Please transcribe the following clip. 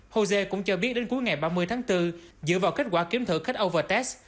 hồ dê cũng cho biết đến cuối ngày ba mươi tháng bốn dựa vào kết quả kiếm thử khách overtest